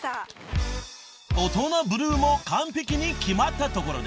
［『オトナブルー』も完璧に決まったところで］